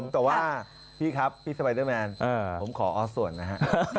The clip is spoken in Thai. แต่ว่าพี่ครับพี่สไปเดอร์แมนผมขอออสส่วนนะฮะ